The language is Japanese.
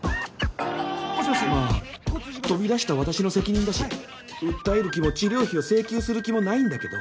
まあ飛び出した私の責任だし訴える気も治療費を請求する気もないんだけど。